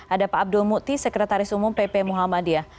ada pak abdul mukti sekretaris umum pp muhammadiyah